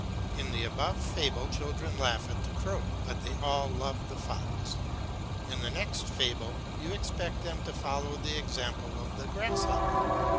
In the above fable children laugh at the crow, but they all love the fox. In the next fable you expect them to follow the example of the grasshopper.